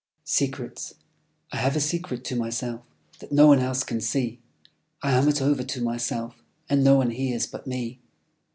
Secrets I have a secret to myself, That no one else can see. I hum it over to myself, And no one hears but me.